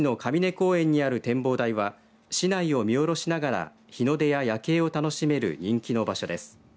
公園にある展望台は市内を見下ろしながら日の出や夜景を楽しめる人気の場所です。